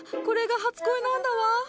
これが初恋なんだわ！